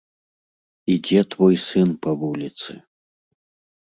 Ідзе твой сын па вуліцы.